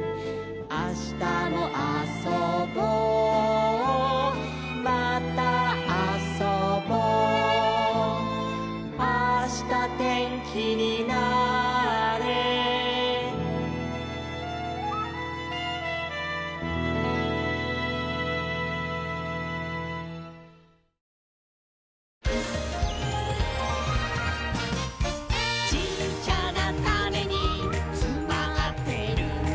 「あしたも遊ぼうまたあそぼ」「あした天気になあれ」「ちっちゃなタネにつまってるんだ」